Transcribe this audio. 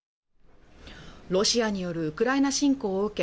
ロシアによるウクライナ侵攻を受け